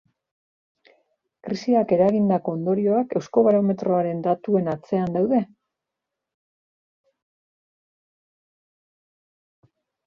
Krisiak eragindako ondorioak euskobarometroaren datuen atzean daude?